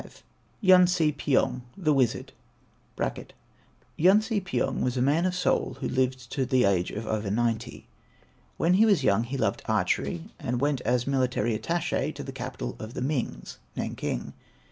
V YUN SE PYONG, THE WIZARD [Yun Se pyong was a man of Seoul who lived to the age of over ninety. When he was young he loved archery, and went as military attaché to the capital of the Mings (Nanking).